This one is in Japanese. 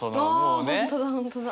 あ本当だ本当だ！